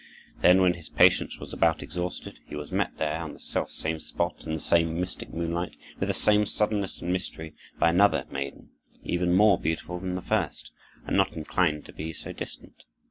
Then, when his patience was about exhausted, he was met there, on the selfsame spot, in the same mystic moonlight and with the same suddenness and mystery, by another maiden, even more beautiful than the first, and not inclined to be so distant.